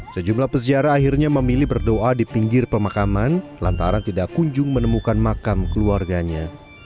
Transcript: sejumlah peziarah akhirnya memilih berdoa di pinggir pemakaman lantaran tidak kunjung menemukan makam keluarganya